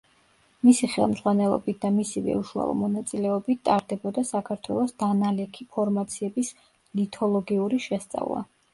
მისი ხელმძღვანელობით და მისივე უშუალო მონაწილეობით ტარდებოდა საქართველოს დანალექი ფორმაციების ლითოლოგიური შესწავლა.